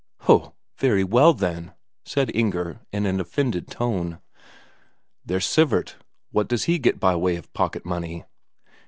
"Ho, very well then!" said Inger in an offended tone. "There's Sivert what does he get by way of pocket money?"